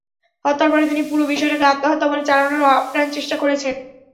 হত্যার পরে তিনি পুরো বিষয়টাকে আত্মহত্যা বলে চালানোর আপ্রাণ চেষ্টা করেছেন।